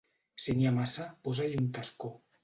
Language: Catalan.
Si n'hi ha massa, posa-hi un tascó.